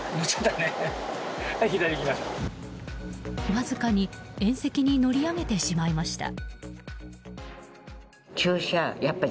わずかに縁石に乗り上げてしまいました。